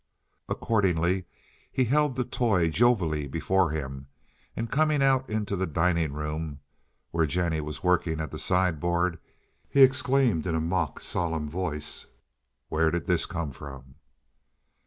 Accordingly he held the toy jovially before him, and, coming out into the dining room, where Jennie was working at the sideboard, he exclaimed in a mock solemn voice, "Where did this come from?"